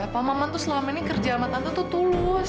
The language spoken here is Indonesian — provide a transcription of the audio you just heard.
pak maman tuh selama ini kerja sama tante tuh tulus